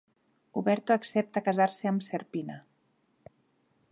Uberto accepta casar-se amb Serpina.